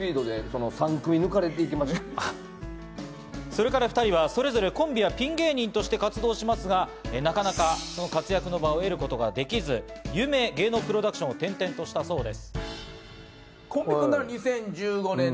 それから２人はそれぞれコンビやピン芸人として活動しますが、なかなか活躍の場を得ることができず、有名芸能プロダクションを転々としたそうです。